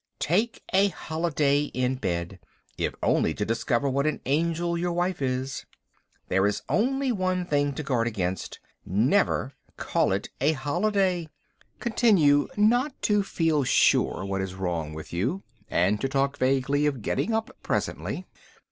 Take a holiday in bed, if only to discover what an angel your wife is. There is only one thing to guard against. Never call it a holiday. Continue not to feel sure what is wrong with you, and to talk vaguely of getting up presently.